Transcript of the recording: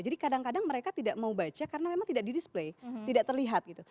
kadang kadang mereka tidak mau baca karena memang tidak di display tidak terlihat gitu